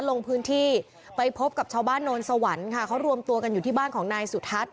ลงพื้นที่ไปพบกับชาวบ้านโนนสวรรค์ค่ะเขารวมตัวกันอยู่ที่บ้านของนายสุทัศน